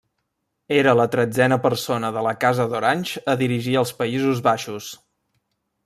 Era la tretzena persona de la casa d'Orange a dirigir els Països Baixos.